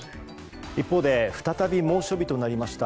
一方で再び猛暑日となりました